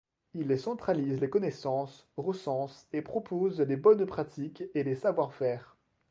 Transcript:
Il centralise les connaissances, recense et propose les bonnes pratiques et les savoir-faire.